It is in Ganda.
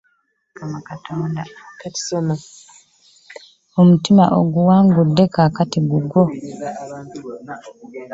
Omutima oguwangudde kaakati gugwo.